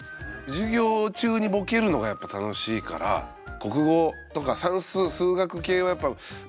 授業中にボケるのがやっぱ楽しいから国語とか算数数学系はやっぱボケやすいんすよね